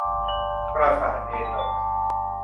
ปราสาทเอโดะ